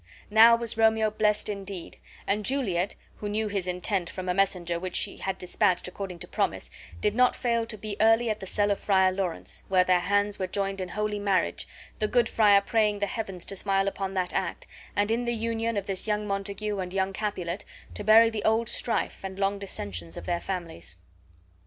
Now was Romeo blessed indeed, and Juliet, who knew his intent from a messenger which she had despatched according to promise, did not fail to be early at the cell of Friar Lawrence, where their hands were joined in holy marriage, the good friar praying the heavens to smile upon that act, and in the union of this young Montague and young Capulet, to bury the old strife and long dissensions of their families.